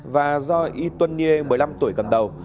và do y tuân nie một mươi năm tuổi cầm đầu